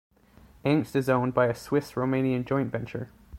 Angst is owned by a Swiss-Romanian joint venture.